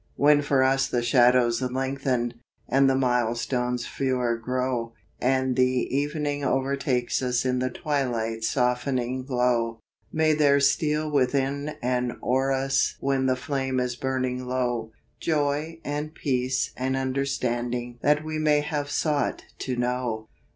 When for us the .shadows lengthen And the mile stones fewer grow, And the evening overtakes us In the twilight's softening glow. May there steal within and o'er us When the flame is burning low, Joy and peace and understanding That we long have sought to know.